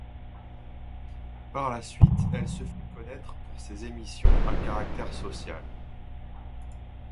Par la suite, elle se fait connaître pour ses émissions à caractère social.